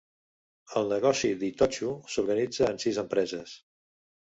El negoci d'Itochu s'organitza en sis empreses.